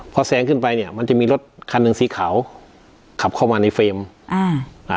พอแซงขึ้นไปเนี้ยมันจะมีรถคันหนึ่งสีขาวขับเข้ามาในเฟรมอ่าอ่า